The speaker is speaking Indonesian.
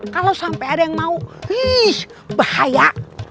kalau sampai ada yang mau wih bahaya